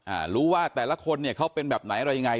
อ่ารู้ว่าแต่ละคนเนี่ยเขาเป็นแบบไหนอะไรยังไง